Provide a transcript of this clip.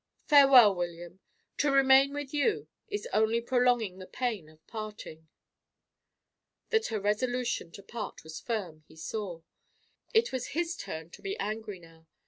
farewell, William! To remain with you is only prolonging the pain of parting." That her resolution to part was firm, he saw. It was his turn to be angry now.